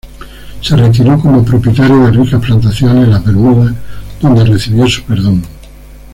Se retiró como propietario de ricas plantaciones en las Bermudas donde recibió su perdón.